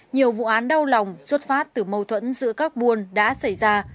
nhiều vụ án đau lòng xuất phát từ mâu thuẫn giữa các buôn đã xảy ra